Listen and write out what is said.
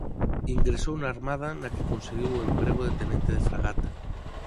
Ingresou na Armada na que conseguiu o emprego de Tenente de Fragata.